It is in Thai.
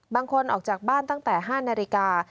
ออกจากบ้านตั้งแต่๕นาฬิกา